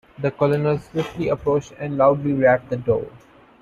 The colonel swiftly approached and loudly rapped the door.